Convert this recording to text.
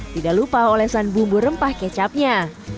tidak lupa olesan bumbu rempah kecapnya